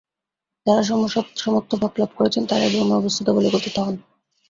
যাঁরা সমত্বভাব লাভ করেছেন, তাঁরাই ব্রহ্মে অবস্থিত বলে কথিত হন।